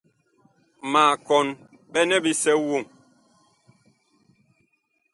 Ma kɔn ɓɛnɛ bisɛ woŋ.